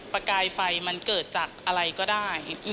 ประกายไฟมันเกิดจากอะไรก็ได้